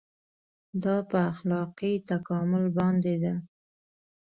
دا په اخلاقي تکامل باندې ده.